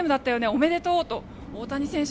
おめでとう、大谷選手